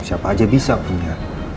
siapa aja bisa punya